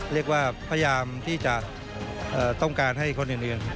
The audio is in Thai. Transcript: เรียกว่าพยายามที่จะต้องการให้คนอื่น